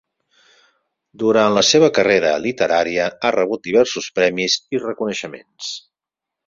Durant la seva carrera literària ha rebut diversos premis i reconeixements.